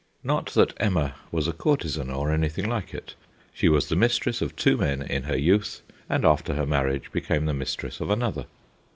Not that Emma was a courtesan, or anything like it. She was the mistress of two men in her youth, and after her marriage became the mistress of another.